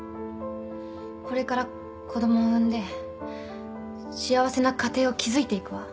これから子供を産んで幸せな家庭を築いていくわ。